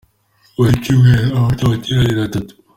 Buri cyumweru aba afite amateraniro atatu.